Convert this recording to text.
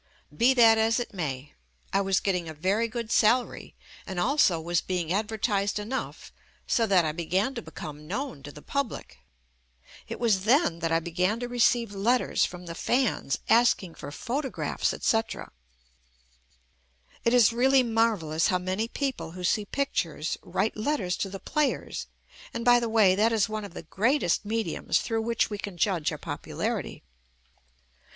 Be that as it may. I was getting a very good salary and also was being adver tised enough so that I began to become known to the public. It was then that I began to re ceive letters from the fans asking for photo graphs, etc. It is really marvelous how many people who see pictures, write letters to the players, and, by the way, that is one of the greatest mediums through which we can judge our popularity.